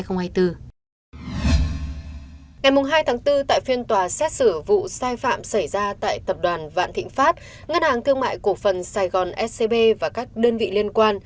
ngày hai tháng bốn tại phiên tòa xét xử vụ sai phạm xảy ra tại tập đoàn vạn thịnh pháp ngân hàng thương mại cổ phần sài gòn scb và các đơn vị liên quan